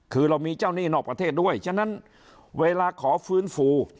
คือเรามีเจ้าหนี้นอกประเทศด้วยฉะนั้นเวลาขอฟื้นฟู